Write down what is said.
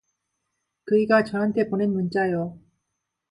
그이가 저한테 보낸 문자요.